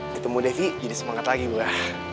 ketemu devi jadi semangat lagi mbak